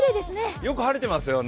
よく晴れていますよね。